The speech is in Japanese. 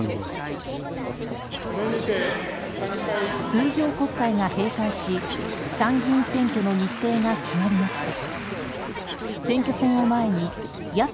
通常国会が閉会し参議院選挙の日程が決まりました。